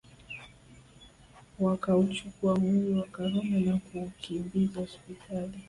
Wakauchukua mwili wa Karume na kuukimbiza hospitali